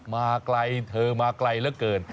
มาไกลเธอมาไกลเหลือเกิน